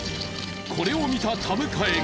これを見た田迎が。